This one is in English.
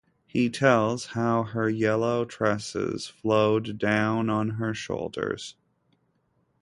He tells how her yellow tresses flowed down on her shoulders.